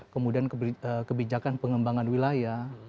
kemudian kebijakan pengembangan wilayah